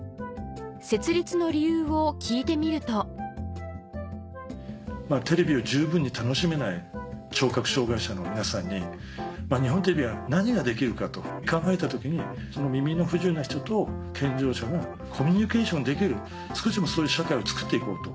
設立の理由を聞いてみるとテレビを十分に楽しめない聴覚障がい者の皆さんに日本テレビは何ができるかと考えた時に耳の不自由な人と健常者がコミュニケーションできる少しでもそういう社会をつくって行こうと。